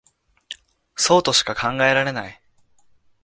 そうとしか考えられない